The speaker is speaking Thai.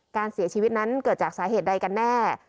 การเสียชีวิตนั้นเกิดจากสาเหตุใดกันแน่